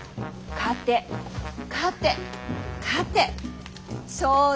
勝て勝て勝て！